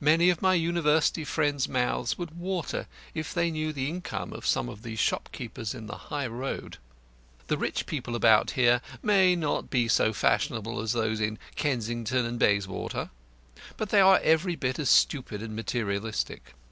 Many of my university friends' mouths would water if they knew the income of some of the shopkeepers in the High Road. "'The rich people about here may not be so fashionable as those in Kensington and Bayswater, but they are every bit as stupid and materialistic.